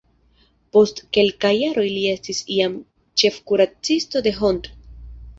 Post kelkaj jaroj li estis jam ĉefkuracisto de Hont.